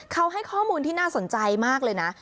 เขาให้ข้อมูลที่น่าสนใจมากเลยนะ